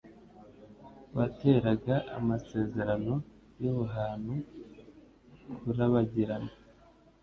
wateraga amasezerano y'ubuhant kurabagirana.